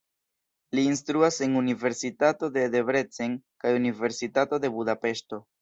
Li instruas en universitato de Debrecen kaj Universitato de Budapeŝto.